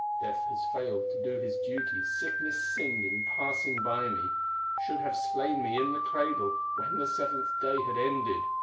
Death has failed to do his duty, Sickness sinned in passing by me, Should have slain me in the cradle, When the seventh day had ended!"